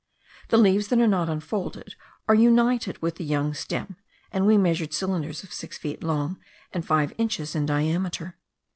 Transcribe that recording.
The leaves that are not unfolded are united with the young stem, and we measured cylinders of six feet long and five inches in diameter.